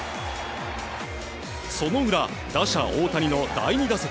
その裏、打者・大谷の第２打席。